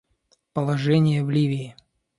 Положение в Ливии.